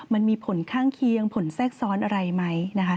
มันมีผลข้างเคียงผลแทรกซ้อนอะไรไหมนะคะ